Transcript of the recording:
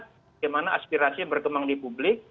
bagaimana aspirasi yang berkembang di publik